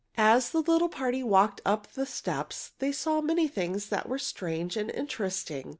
As the little party walked on up the steps they saw many things that were strange and interesting.